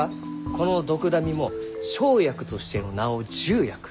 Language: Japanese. このドクダミも生薬としての名を「ジュウヤク」。